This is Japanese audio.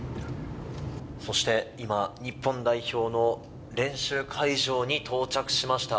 そして今、日本代表の練習会場に到着しました。